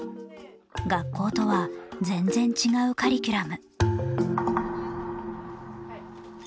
学校とは全然違うカリキュラム。